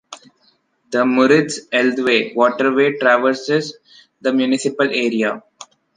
The Müritz-Elde waterway traverses the municipal area.